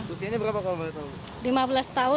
usianya berapa kalau boleh tahu